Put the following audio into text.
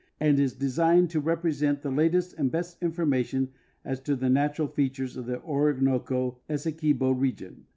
and is designed to represent the latest and best information as to the natural features of the Orinoco Essequibo region.